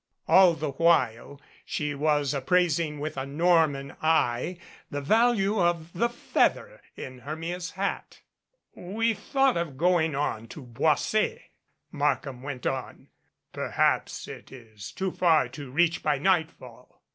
All the while she was appraising with a Norman eye the value of the feather in Hermia's hat. "We thought of going on to Boisset," Markham went on. "Perhaps it is too far to reach by nightfall."